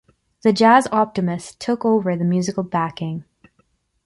The Jazz Optimists took over the musical backing.